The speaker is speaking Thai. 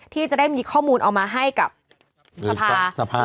ที่จะได้มีข้อมูลเอามาให้กับสภา